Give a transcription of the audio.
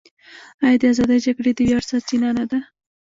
آیا د ازادۍ جګړې د ویاړ سرچینه نه ده؟